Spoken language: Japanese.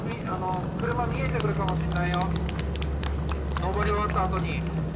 車見えてくるかもしれないよ、上り終わった後に。